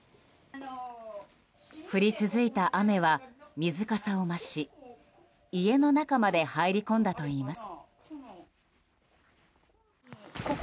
降り続いた雨は水かさを増し家の中まで入り込んだといいます。